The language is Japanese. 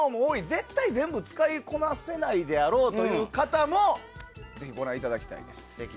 絶対全部使いこなせないであろうという方もぜひご覧いただきたいです。